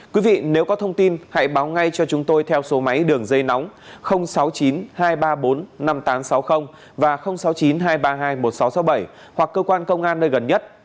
quý vị nếu có thông tin hãy báo ngay cho chúng tôi theo số máy đường dây nóng sáu mươi chín hai trăm ba mươi bốn năm nghìn tám trăm sáu mươi và sáu mươi chín hai trăm ba mươi hai một nghìn sáu trăm sáu mươi bảy hoặc cơ quan công an nơi gần nhất